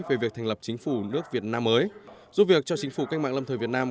về việc thành lập chính phủ nước việt nam mới giúp việc cho chính phủ cách mạng lâm thời việt nam